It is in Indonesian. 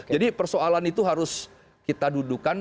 jadi persoalan itu harus kita dudukan